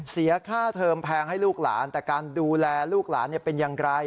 เสียค่าเทอมแพงให้ลูกหลานแต่การดูแลลูกหลานเป็นอย่างไร